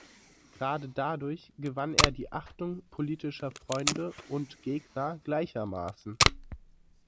Gerade dadurch gewann er die Achtung politischer Freunde und Gegner gleichermaßen.